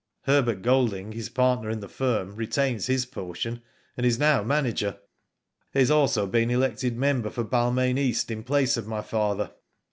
Herbert Golding, his partner in the firm, retains his portion, and is now manager. He has also been elected member for Balmain East in place of my father.